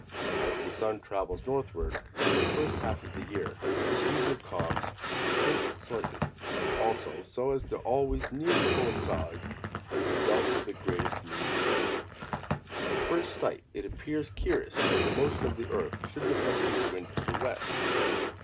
As the sun travels northward during the first half of the year, this region of calms shifts slightly, also, so as to always nearly coincide with belt of the greatest mean heat. At first sight, it appears curious that the motion of the earth should deflect these winds to the west.